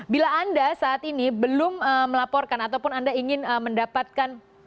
bila anda saat ini belum melaporkan ataupun anda ingin mendapatkan